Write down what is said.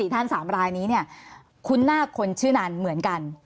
ท่าน๓รายนี้เนี่ยคุ้นหน้าคนชื่อนั้นเหมือนกัน